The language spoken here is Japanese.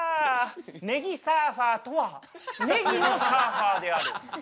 ねぎサーファーとはねぎのサーファーである。